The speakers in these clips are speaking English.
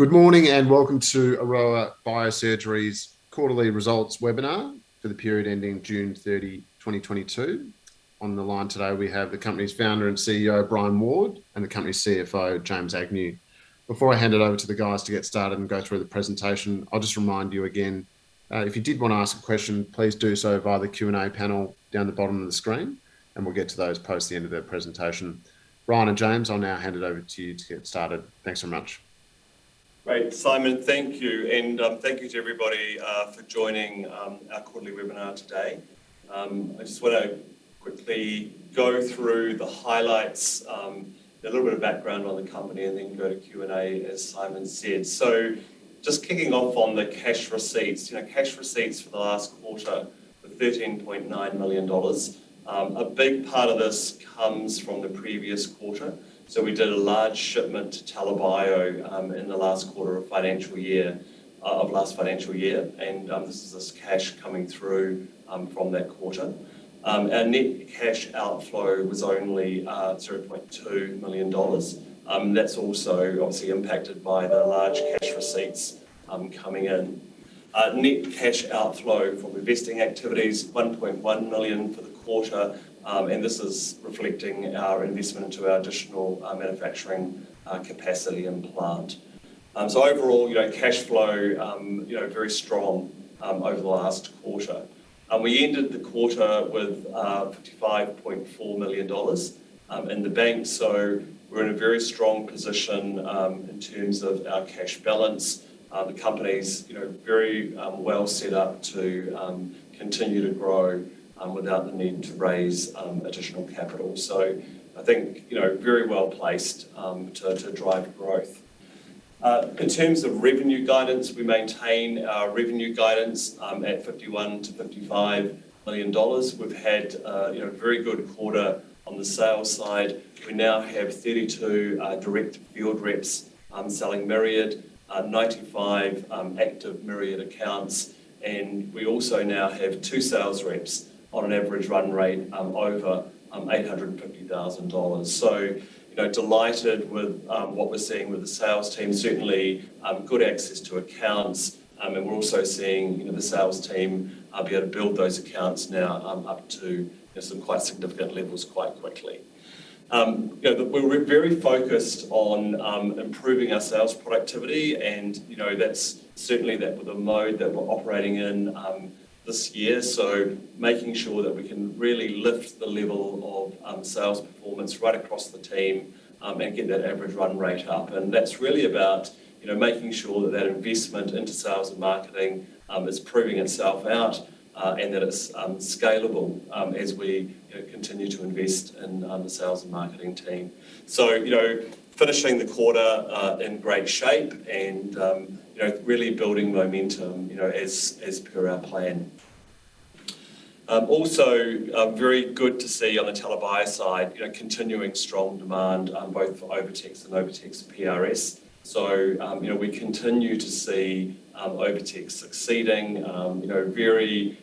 Good morning, and welcome to Aroa Biosurgery's quarterly results webinar for the period ending June 30, 2022. On the line today, we have the company's founder and CEO, Brian Ward, and the company's CFO, James Agnew. Before I hand it over to the guys to get started and go through the presentation, I'll just remind you again, if you did wanna ask a question, please do so via the Q&A panel down the bottom of the screen, and we'll get to those post the end of their presentation. Brian and James, I'll now hand it over to you to get started. Thanks very much. Great, Simon. Thank you, and thank you to everybody for joining our quarterly webinar today. I just wanna quickly go through the highlights, a little bit of background on the company, and then go to Q&A, as Simon said. Just kicking off on the cash receipts. You know, cash receipts for the last quarter were $13.9 million. A big part of this comes from the previous quarter. We did a large shipment to TELA Bio in the last quarter of last financial year, and this cash coming through from that quarter. Our net cash outflow was only $3.2 million. That's also obviously impacted by the large cash receipts coming in. Net cash outflow from investing activities, 1.1 million for the quarter, and this is reflecting our investment into our additional manufacturing capacity and plant. Overall, you know, cash flow, you know, very strong over the last quarter. We ended the quarter with $55.4 million in the bank, so we're in a very strong position in terms of our cash balance. The company's, you know, very well set up to continue to grow without the need to raise additional capital. I think, you know, very well-placed to drive growth. In terms of revenue guidance, we maintain our revenue guidance at $51 million-$55 million. We've had, you know, a very good quarter on the sales side. We now have 32 direct field reps selling Myriad, 95 active Myriad accounts, and we also now have two sales reps on an average run rate over $850,000. You know, delighted with what we're seeing with the sales team. Certainly good access to accounts, and we're also seeing, you know, the sales team be able to build those accounts now up to, you know, some quite significant levels quite quickly. You know, we're very focused on improving our sales productivity, and, you know, that's certainly the mode that we're operating in this year, so making sure that we can really lift the level of sales performance right across the team and get that average run rate up. That's really about, you know, making sure that investment into sales and marketing is proving itself out, and that it's scalable, as we, you know, continue to invest in the sales and marketing team. You know, finishing the quarter in great shape and, you know, really building momentum, you know, as per our plan. Also, very good to see on the TELA Bio side, you know, continuing strong demand both for OviTex and OviTex PRS. You know, we continue to see OviTex succeeding. You know, very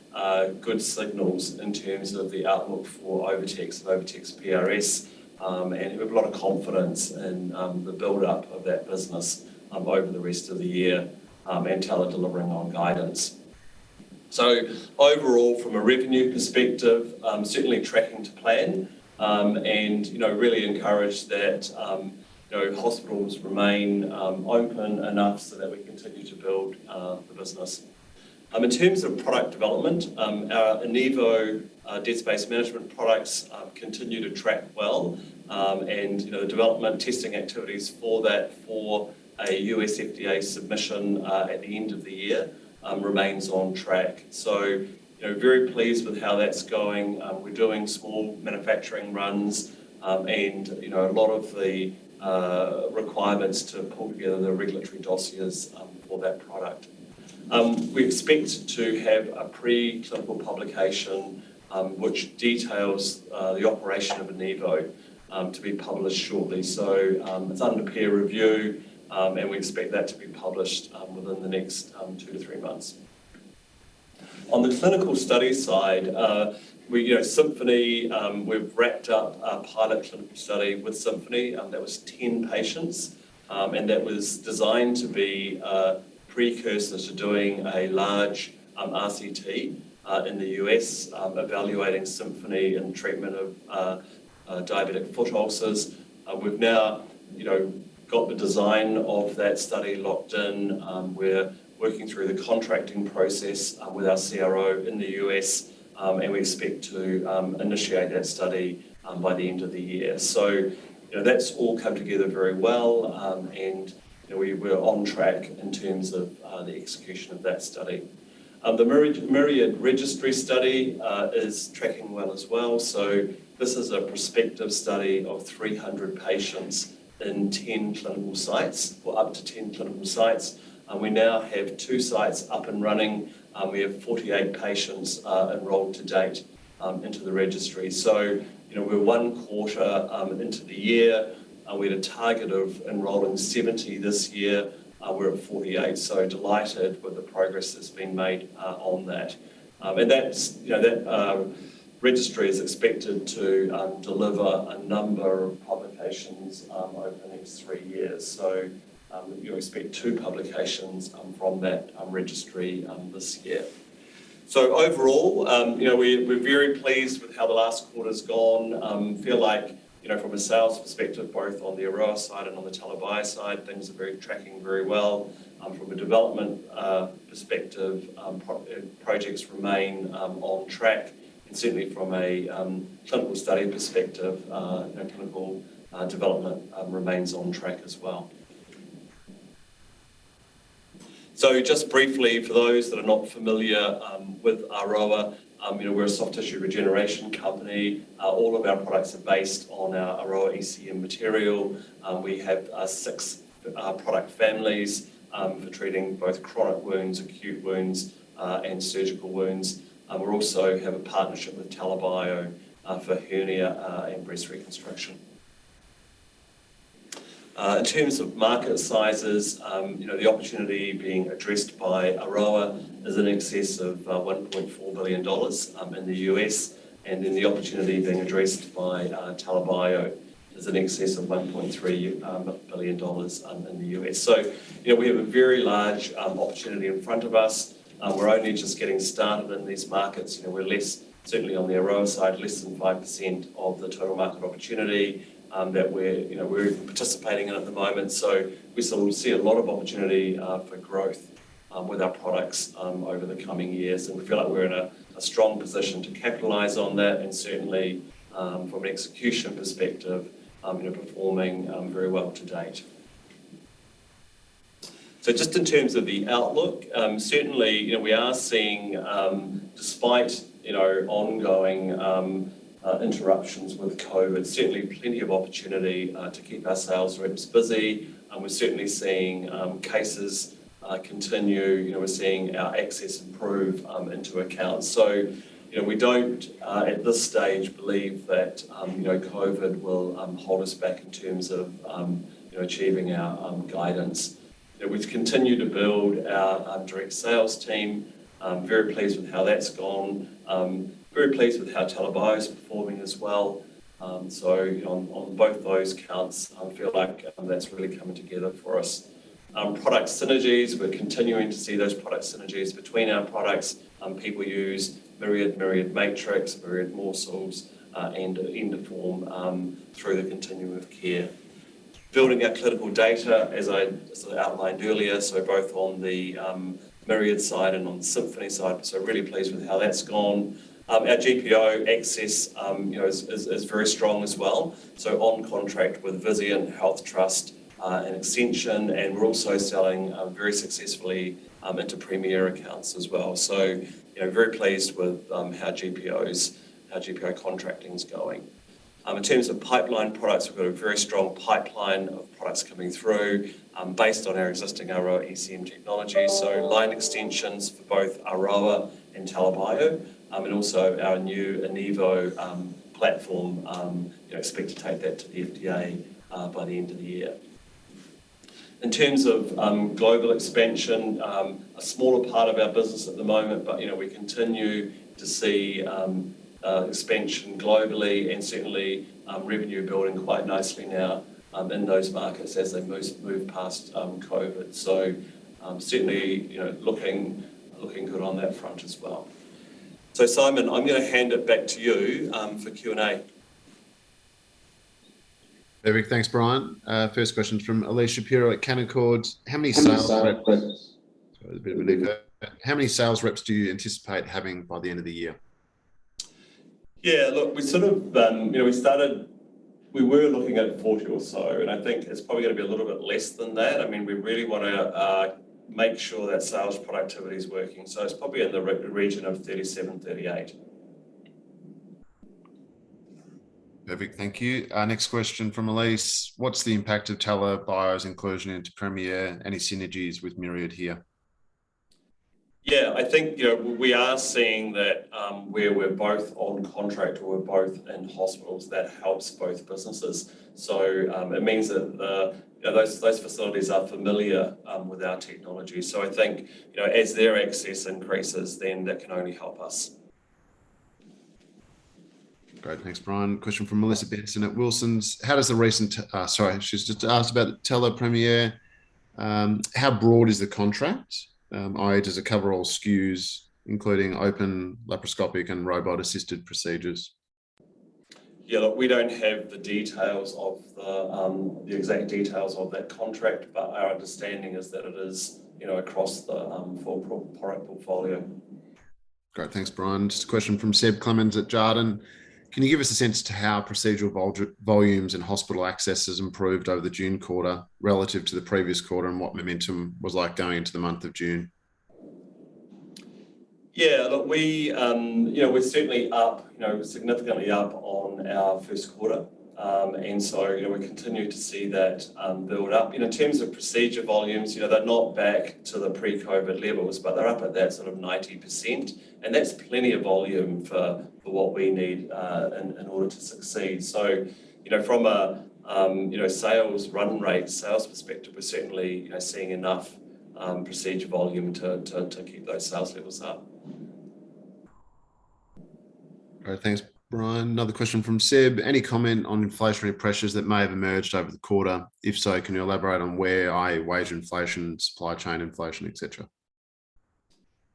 good signals in terms of the outlook for OviTex and OviTex PRS, and we have a lot of confidence in the buildup of that business over the rest of the year, and TELA delivering on guidance. Overall, from a revenue perspective, certainly tracking to plan, and, you know, really encouraged that, you know, hospitals remain open enough so that we continue to build the business. In terms of product development, our Enivo dead space management products continue to track well, and, you know, development testing activities for that for a U.S. FDA submission at the end of the year remains on track. You know, very pleased with how that's going. We're doing small manufacturing runs, and, you know, a lot of the requirements to pull together the regulatory dossiers for that product. We expect to have a pre-clinical publication which details the operation of Enivo to be published shortly. It's under peer review, and we expect that to be published within the next two to three months. On the clinical study side, you know, Symphony, we've wrapped up our pilot clinical study with Symphony. That was 10 patients, and that was designed to be a precursor to doing a large RCT in the U.S., evaluating Symphony in treatment of diabetic foot ulcers. We've now, you know, got the design of that study locked in. We're working through the contracting process with our CRO in the U.S., and we expect to initiate that study by the end of the year. You know, that's all come together very well, and, you know, we're on track in terms of the execution of that study. The Myriad registry study is tracking well as well. This is a prospective study of 300 patients in 10 clinical sites, or up to 10 clinical sites. We now have two sites up and running. We have 48 patients enrolled to date into the registry. You know, we're one quarter into the year. We had a target of enrolling 70 this year. We're at 48, so delighted with the progress that's been made on that. That's you know, that registry is expected to deliver a number of publications over the next three years. You know, we expect two publications from that registry this year. Overall, you know, we're very pleased with how the last quarter's gone. Feel like, you know, from a sales perspective, both on the Aroa side and on the TELA Bio side, things are tracking very well. From a development perspective, projects remain on track, and certainly from a clinical study perspective, you know, clinical development remains on track as well. Just briefly, for those that are not familiar with Aroa, you know, we're a soft-tissue regeneration company. All of our products are based on our AROA ECM material. We have six product families for treating both chronic wounds, acute wounds, and surgical wounds. We also have a partnership with TELA Bio for hernia and breast reconstruction. In terms of market sizes, you know, the opportunity being addressed by Aroa is in excess of $1.4 billion in the U.S., and then the opportunity being addressed by TELA Bio is in excess of $1.3 billion in the U.S. You know, we have a very large opportunity in front of us. We're only just getting started in these markets. You know, we're less, certainly on the Aroa side, less than 5% of the total market opportunity that we're, you know, we're participating in at the moment. We sort of see a lot of opportunity for growth with our products over the coming years. We feel like we're in a strong position to capitalize on that and certainly, from an execution perspective, you know, performing very well to date. Just in terms of the outlook, certainly, you know, we are seeing, despite, you know, ongoing interruptions with COVID, certainly plenty of opportunity to keep our sales reps busy. We're certainly seeing cases continue. You know, we're seeing our access improve into accounts. You know, we don't at this stage believe that, you know, COVID will hold us back in terms of, you know, achieving our guidance. You know, we've continued to build our direct sales team. Very pleased with how that's gone. Very pleased with how TELA Bio is performing as well. You know, on both of those counts, feel like that's really coming together for us. Product synergies, we're continuing to see those product synergies between our products. People use Myriad Matrix, Myriad Morcells, and Endoform, through the continuum of care. Building our clinical data, as I sort of outlined earlier, so both on the Myriad side and on Symphony side, so really pleased with how that's gone. Our GPO access, you know, is very strong as well, so on contract with Vizient and HealthTrust, and Ascension, and we're also selling, very successfully, into Premier accounts as well. You know, very pleased with how GPO contracting is going. In terms of pipeline products, we've got a very strong pipeline of products coming through, based on our existing Aroa ECM technology, so line extensions for both Aroa and TELA Bio, and also our new Enivo platform, you know, expect to take that to the FDA by the end of the year. In terms of global expansion, a smaller part of our business at the moment, but, you know, we continue to see expansion globally and certainly revenue building quite nicely now in those markets as they move past COVID. Certainly, you know, looking good on that front as well. Simon, I'm gonna hand it back to you for Q&A. Perfect. Thanks, Brian. First question's from Elyse Shapiro at Canaccord. How many sales- How many sales reps? Sorry, there's a bit of an echo. How many sales reps do you anticipate having by the end of the year? Look, we sort of, you know, we were looking at 40 or so, and I think it's probably gonna be a little bit less than that. I mean, we really wanna make sure that sales productivity is working, so it's probably in the region of 37, 38. Perfect. Thank you. Next question from Elyse. What's the impact of TELA Bio's inclusion into Premier? Any synergies with Myriad here? Yeah. I think, you know, we are seeing that, where we're both on contract or we're both in hospitals, that helps both businesses. It means that the, you know, those facilities are familiar, with our technology. I think, you know, as their access increases, then that can only help us. Great. Thanks, Brian. Question from Melissa Benson at Wilsons. She's just asked about the TELA Premier. How broad is the contract? i.e., does it cover all SKUs, including open, laparoscopic, and robot-assisted procedures? Yeah. Look, we don't have the details of the exact details of that contract, but our understanding is that it is, you know, across the full product portfolio. Great. Thanks, Brian. Just a question from Sebastian Clemens at Jarden. Can you give us a sense of how procedural volumes and hospital access has improved over the June quarter relative to the previous quarter, and what momentum was like going into the month of June? Yeah. Look, we, you know, we're certainly up, you know, significantly up on our first quarter. We continue to see that build up. You know, in terms of procedure volumes, you know, they're not back to the pre-COVID levels, but they're up at that sort of 90%, and that's plenty of volume for what we need in order to succeed. You know, from a sales run rate sales perspective, we're certainly, you know, seeing enough procedure volume to keep those sales levels up. All right. Thanks, Brian. Another question from Seb. Any comment on inflationary pressures that may have emerged over the quarter? If so, can you elaborate on where, i.e. wage inflation, supply chain inflation, et cetera?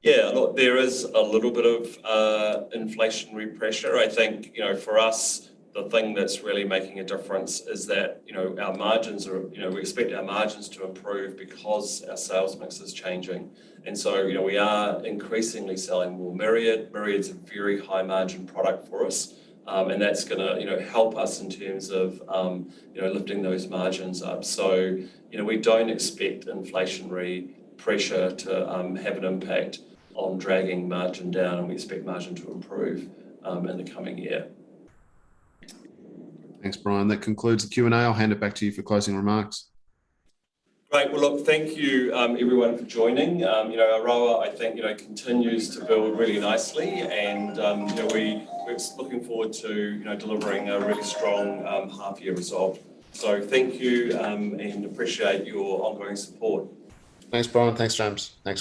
Yeah. Look, there is a little bit of inflationary pressure. I think, you know, for us, the thing that's really making a difference is that, you know, our margins are, you know, we expect our margins to improve because our sales mix is changing. We are increasingly selling more Myriad. Myriad's a very high-margin product for us. And that's gonna, you know, help us in terms of, you know, lifting those margins up. You know, we don't expect inflationary pressure to have an impact on dragging margin down, and we expect margin to improve in the coming year. Thanks, Brian. That concludes the Q&A. I'll hand it back to you for closing remarks. Great. Well, look, thank you, everyone for joining. You know, Aroa, I think, you know, continues to build really nicely and, you know, we're looking forward to, you know, delivering a really strong half year result. Thank you, and appreciate your ongoing support. Thanks, Brian. Thanks, James. Thanks, all.